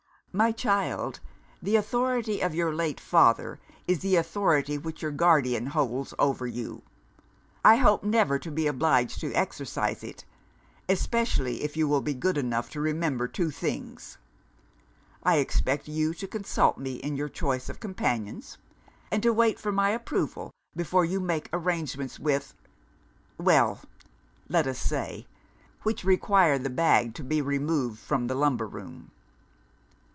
My child, the authority of your late father is the authority which your guardian holds over you. I hope never to be obliged to exercise it especially, if you will be good enough to remember two things. I expect you to consult me in your choice of companions; and to wait for my approval before you make arrangements which well! let us say, which require the bag to be removed from the lumber room."